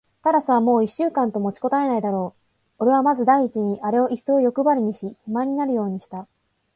タラスはもう一週間と持ちこたえないだろう。おれはまず第一にあれをいっそうよくばりにし、肥満になるようにした。